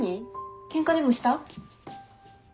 ケンカでもした？